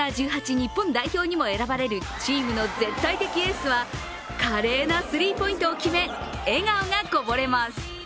日本代表にも選ばれるチームの絶対的エースは華麗なスリーポイントを決め笑顔がこぼれます。